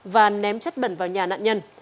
và ném chất bẩn vào nhà nạn nhân